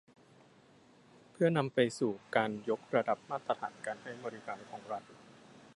เพื่อนำไปสู่การยกระดับมาตรฐานการให้บริการของรัฐ